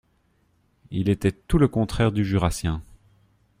Il était tout le contraire du Jurassien.